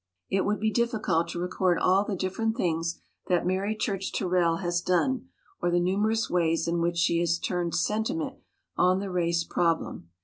It would be difficult to record all the dif ferent things that Mary Church Terrell has done or the numerous ways in which she has turned sentiment on the race problem.